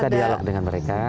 kita dialog dengan mereka